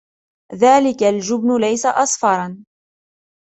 ذلك الجبن ليس أصفرا.